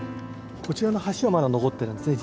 こちらの橋はまだ残ってるんですね